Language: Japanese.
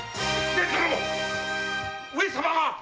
上様が！